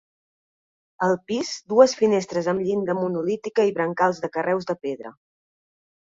Al pis, dues finestres amb llinda monolítica i brancals de carreus de pedra.